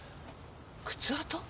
靴跡？